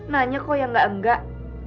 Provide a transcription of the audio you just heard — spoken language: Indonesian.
nanya kok yang enggak enggak